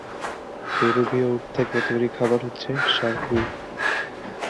পেরুভীয় উট থেকে তৈরী খাবার হচ্ছে শারকুই।